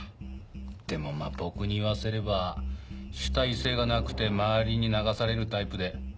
でもまぁ僕に言わせれば主体性がなくて周りに流されるタイプで。